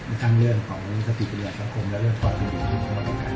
ในทางเรื่องของวิทยาลัยสังคมและเรื่องความสำคัญให้ความสำคัญมากครับ